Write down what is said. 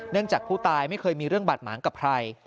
จากผู้ตายไม่เคยมีเรื่องบาดหมางกับใคร